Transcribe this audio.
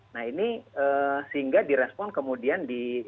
nah ini sehingga direspon kemudian di